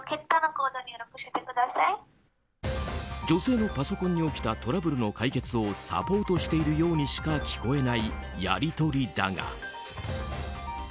女性のパソコンに起きたトラブルの解決をサポートしているようにしか聞こえないやり取りだが。